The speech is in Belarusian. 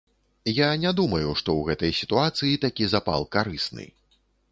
Я не думаю, што ў гэтай сітуацыі такі запал карысны.